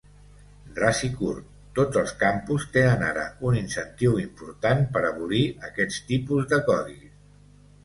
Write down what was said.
Ras i curt, tots els campus tenen ara un incentiu important per abolir aquest tipus de codis.